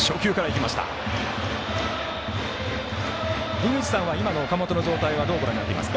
井口さんは、今の岡本の状態どう見ていますか？